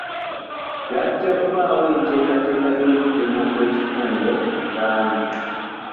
Wajja kubaawo enteekateeka y'okugema okw'ekikungo mu Uganda.